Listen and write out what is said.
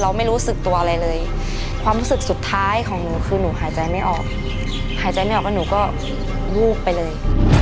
ไม่รู้สึกตัวอะไรเลยความรู้สึกสุดท้ายของหนูคือหนูหายใจไม่ออกหายใจไม่ออกแล้วหนูก็วูบไปเลย